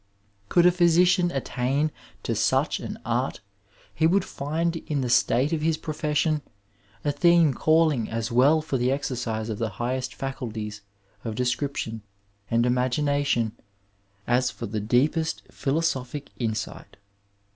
Could a physi cian attain to such an art he would find in the state of his profession a theme calling as well for the exercise of the highest faculties of description and imagination as for the deepest philosophic insight.